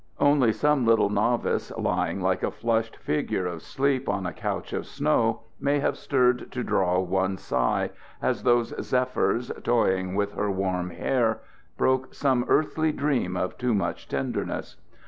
Only some little novice, lying like a flushed figure of Sleep on a couch of snow, may have stirred to draw one sigh, as those zephyrs, toying with her warm hair, broke some earthly dream of too much tenderness.